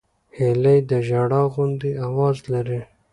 هیلۍ د ژړا غوندې آواز لري